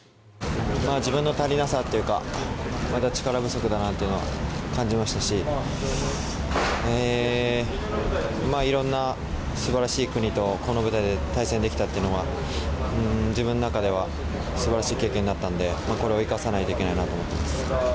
自分の足りなさというか力不足だなというのを感じましたしいろんな素晴らしい国とこの舞台で対戦できたというのは自分の中では素晴らしい経験だったのでこれを生かさないといけないなと思っています。